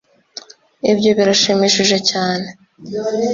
ibyo birashimishije cyane.